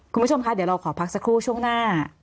คุณผู้ชมคะเดี๋ยวเราขอพักสักครู่ช่วงหน้า